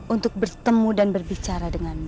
untuk bertemu dan berbicara denganmu